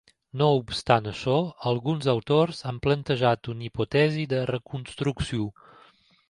No obstant això, alguns autors han plantejat una hipòtesi de reconstrucció.